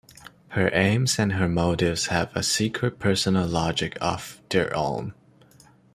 Her aims and her motives have a secret personal logic of their own.